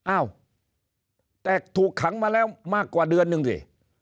อ้าวแต่ถูกขังมาแล้วมากกว่าเดือนนึงสิ